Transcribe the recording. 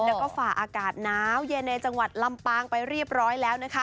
แล้วก็ฝ่าอากาศหนาวเย็นในจังหวัดลำปางไปเรียบร้อยแล้วนะคะ